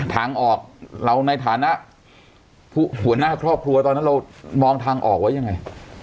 ทางออกเราในฐานะหัวหน้าครอบครัวตอนนั้นเรามองทางออกไว้ยังไง